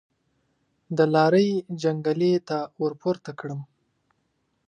د لارۍ جنګلې ته ورپورته کړم.